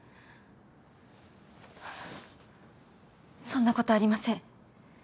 そんなことありません。